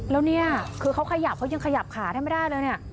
แล้วนี่ขยับก็ยังขยับขาถ้าไม่ได้เลย